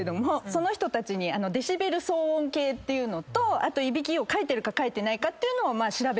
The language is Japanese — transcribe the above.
その人たちにデシベル騒音計っていうのといびきをかいてるかかいてないかっていうのを調べたんですね。